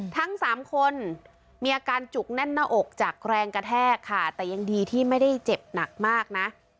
ทั้งสามคนมีอาการจุกแน่นหน้าอกจากแรงกระแทกค่ะแต่ยังดีที่ไม่ได้เจ็บหนักมากนะ